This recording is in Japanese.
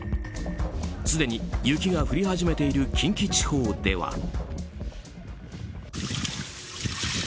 すでに雪が降り始めている近畿地方では。